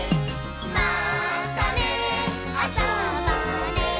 「またねあそぼうね